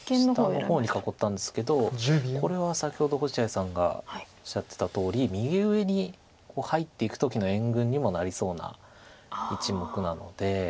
下の方に囲ったんですけどこれは先ほど星合さんがおっしゃってたとおり右上に入っていく時の援軍にもなりそうな１目なので。